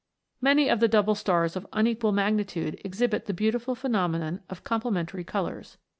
Many of the double stars of unequal magnitude exhibit the beautiful phenomenon of complementary colours.